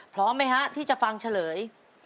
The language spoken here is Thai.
พร้อมไหมฮะที่จะฟังเฉลย